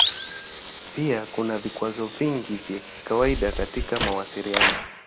Pia kuna vikwazo vingi vya kawaida katika mawasiliano.